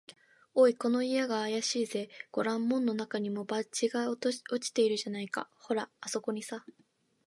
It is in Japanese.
「おい、この家があやしいぜ。ごらん、門のなかにも、バッジが落ちているじゃないか。ほら、あすこにさ」